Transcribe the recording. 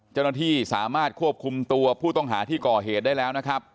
เจ้าหน้าที่สามารถควบคุมตัวผู้ต้องหาที่ก่อเหตุได้แล้วนะครับ